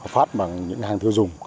phát bằng những hàng tiêu dùng